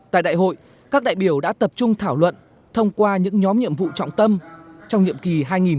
tại đại hội các đại biểu đã tập trung thảo luận thông qua những nhóm nhiệm vụ trọng tâm trong nhiệm kỳ hai nghìn hai mươi hai nghìn hai mươi năm